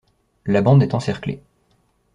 La bande est encerclée.